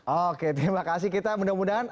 oke terima kasih kita mudah mudahan